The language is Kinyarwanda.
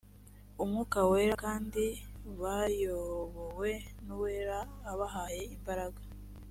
umwuka wera kandi bayobowe n ‘uwera abahaye imbaraga